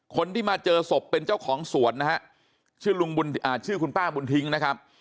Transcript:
คนที่มาเจอศพเป็นเจ้าของสวนนะฮะชื่อคุณป้าบุญทิ้งนะครับ